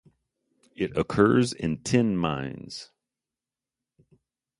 It occurs in tin mines.